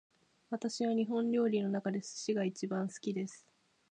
私は日本料理の中で寿司が一番好きです